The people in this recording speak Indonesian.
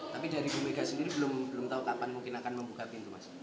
tapi dari bu mega sendiri belum tahu kapan mungkin akan membuka pintu mas